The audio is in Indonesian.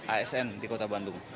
asn di kota bandung